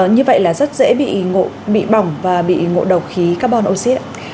như vậy là rất dễ bị bỏng và bị ngộ độc khí carbon oxy ạ